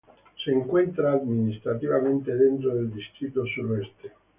Se encuadra administrativamente dentro del distrito Suroeste.